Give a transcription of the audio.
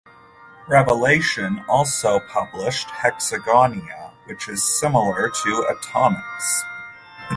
Revelation also published "Hexagonia", which is similar to "Atomix".